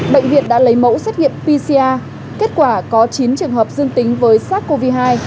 bệnh viện đã lấy mẫu xét nghiệm pcr kết quả có chín trường hợp dương tính với sars cov hai